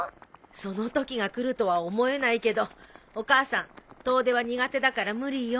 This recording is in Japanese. そのときが来るとは思えないけどお母さん遠出は苦手だから無理よ。